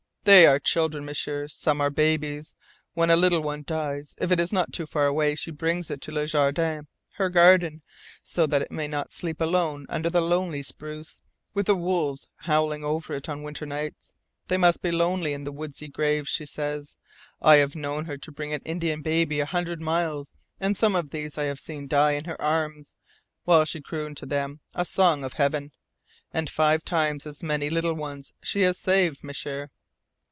They are children, M'sieur. Some are babies. When a little one dies if it is not too far away she brings it to Le Jardin her garden, so that it may not sleep alone under the lonely spruce, with the wolves howling over it on winter nights. They must be lonely in the woodsy graves, she says. I have known her to bring an Indian baby a hundred miles, and some of these I have seen die in her arms, while she crooned to them a song of Heaven. And five times as many little ones she has saved, M'sieur.